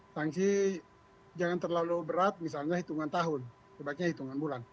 sanksi jangan terlalu berat misalnya hitungan tahun sebaiknya hitungan bulan